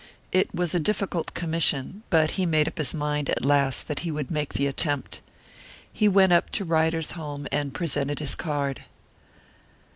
It was a difficult commission; but he made up his mind at last that he would make the attempt. He went up to Ryder's home and presented his card.